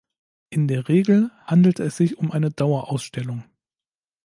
In der Regel handelt es sich um eine Dauerausstellung.